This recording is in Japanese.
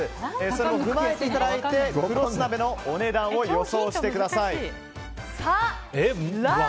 それを踏まえていただいて食労寿鍋のお値段を予想してください。